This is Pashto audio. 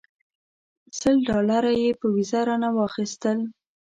سل ډالره یې په ویزه رانه واخیستل.